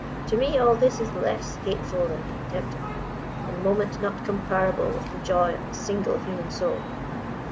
To me all this is less hateful than contemptible, in moment not comparable with the joy of a single human soul.